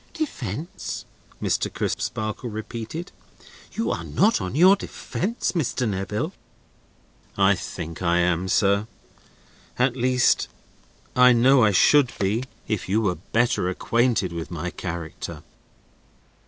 "Defence?" Mr. Crisparkle repeated. "You are not on your defence, Mr. Neville." "I think I am, sir. At least I know I should be, if you were better acquainted with my character."